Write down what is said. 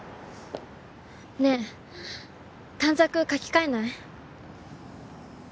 ねえ短冊書き換えない？